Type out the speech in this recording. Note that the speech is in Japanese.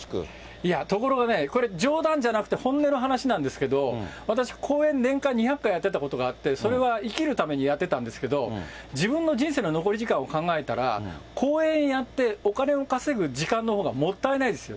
いや、ところがね、これ、冗談じゃなくて、本音の話なんですけれども、私、講演、年間２００回やってたことがあって、それは生きるためにやってたんですけれども、自分の人生の残り時間を考えたら、講演やって、お金を稼ぐ時間のほうがもったいないですよ。